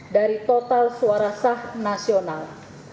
dari total suara sah nasional